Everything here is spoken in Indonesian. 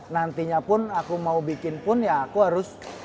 nantinya pun aku mau bikin pun ya aku harus